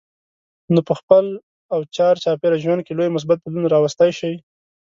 نو په خپل او چار چاپېره ژوند کې لوی مثبت بدلون راوستی شئ.